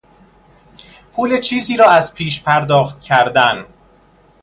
پول چیزی را از پیش پرداخت کردن